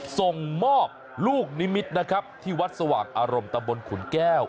ส่งมอบลูกนิมิตรนะครับที่วัดสว่างอารมณ์ตำบลขุนแก้ว